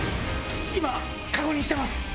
今確認してます！